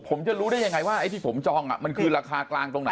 ผมจะรู้ได้ยังไงว่าไอ้ที่ผมจองมันคือราคากลางตรงไหน